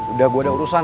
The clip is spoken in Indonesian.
udah gue ada urusan